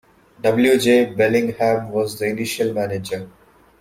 W. J. Bellingham was the initial manager.